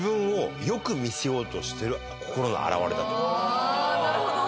あなるほど。